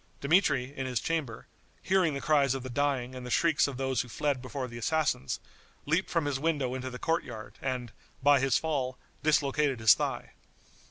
Dmitri, in his chamber, hearing the cries of the dying and the shrieks of those who fled before the assassins, leaped from his window into the court yard, and, by his fall, dislocated his thigh.